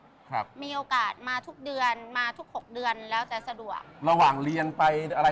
มีโอกาสมาทุกเดือนมาทุก๖เดือนแล้วจะสะดวก